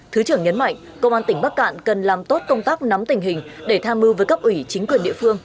thứ trưởng nhấn mạnh công an tỉnh bắc cạn cần làm tốt công tác nắm tình hình để tham mưu với cấp ủy chính quyền địa phương